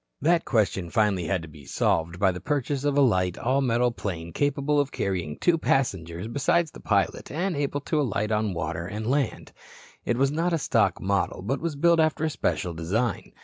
That question finally had been solved by the purchase of a light, all metal plane capable of carrying two passengers besides the pilot and able to alight on water and land. It was not a stock model but was built after a special design.